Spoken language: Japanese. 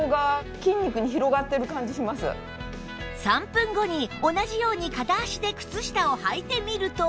３分後に同じように片足で靴下をはいてみると